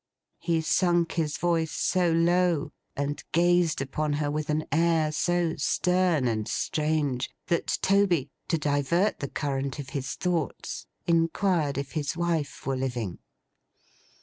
He sunk his voice so low, and gazed upon her with an air so stern and strange, that Toby, to divert the current of his thoughts, inquired if his wife were living.